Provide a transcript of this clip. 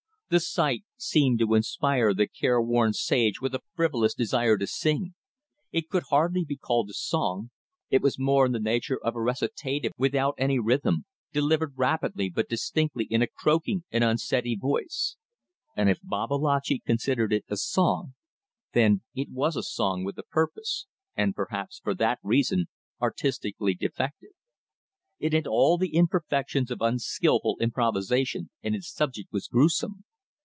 The sight seemed to inspire the careworn sage with a frivolous desire to sing. It could hardly be called a song; it was more in the nature of a recitative without any rhythm, delivered rapidly but distinctly in a croaking and unsteady voice; and if Babalatchi considered it a song, then it was a song with a purpose and, perhaps for that reason, artistically defective. It had all the imperfections of unskilful improvisation and its subject was gruesome.